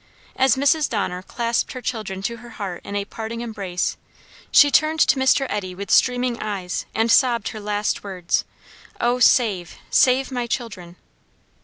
As Mrs. Donner clasped her children to her heart in a parting embrace, she turned to Mr. Eddy with streaming eyes and sobbed her last words, "O, save, save, my children!"